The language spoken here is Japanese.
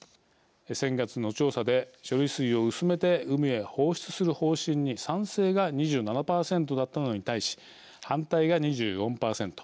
先月の調査で処理水を薄めて海へ放出する方針に賛成が２７％だったのに対し反対が２４％。